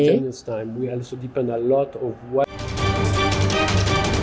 đồng thời chúng ta cũng có nhiều việc phải làm